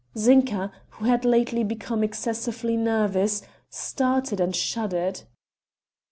Zinka, who had lately become excessively nervous, started and shuddered.